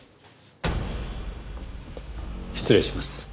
失礼します。